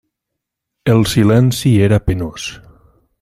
El silenci era penós.